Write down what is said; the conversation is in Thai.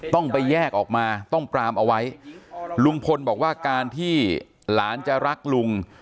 ต้องไปแยกออกมาต้องปรามเอาไว้ลุงพลบอกว่าการที่หลานจะรักลุง